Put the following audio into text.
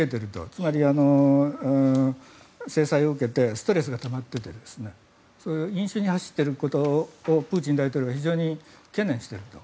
つまり、制裁を受けてストレスがたまっていて飲酒に走っていることをプーチン大統領が非常に懸念していると。